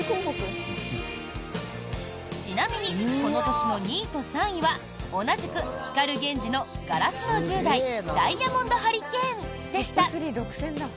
ちなみにこの年の２位と３位は同じく光ＧＥＮＪＩの「ガラスの十代」「Ｄｉａｍｏｎｄハリケーン」でした。